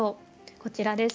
こちらです。